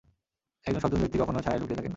একজন সজ্জন ব্যক্তি কখনও ছায়ায় লুকিয়ে থাকেন না।